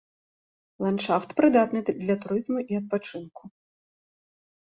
Ландшафт прыдатны для турызму і адпачынку.